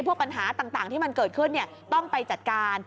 ปัญหาต่างที่มันเกิดขึ้นต้องไปจัดการ